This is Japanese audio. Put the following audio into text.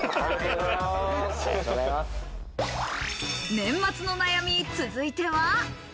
年末の悩み、続いては。